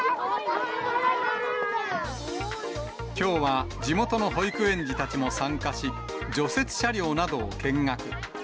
きょうは地元の保育園児たちも参加し、除雪車両などを見学。